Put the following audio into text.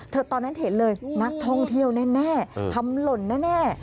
ตอนนั้นเห็นเลยนักท่องเที่ยวแน่ทำหล่นแน่